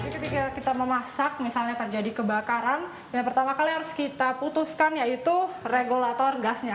ketika kita memasak misalnya terjadi kebakaran yang pertama kali harus kita putuskan yaitu regulator gasnya